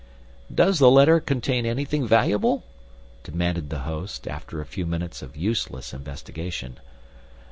"Does the letter contain anything valuable?" demanded the host, after a few minutes of useless investigation.